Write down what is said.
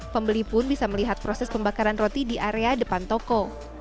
pembeli pun bisa melihat proses pembakaran roti di area depan toko